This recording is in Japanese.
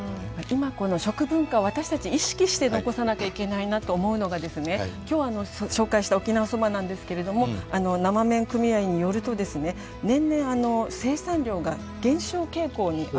今この食文化を私たち意識して残さなきゃいけないなと思うのが今日紹介した沖縄そばなんですけれども生麺組合によると年々生産量が減少傾向にあるということなんですね。